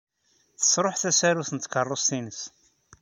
Tesṛuḥ tasarut n tkeṛṛust-nnes.